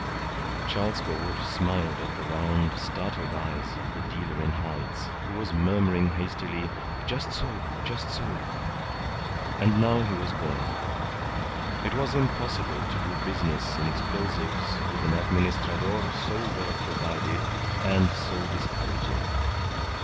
Charles Gould smiled at the round, startled eyes of the dealer in hides, who was murmuring hastily, "Just so. Just so." And now he was going. It was impossible to do business in explosives with an Administrador so well provided and so discouraging.